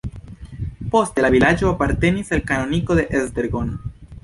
Poste la vilaĝo apartenis al kanoniko de Esztergom.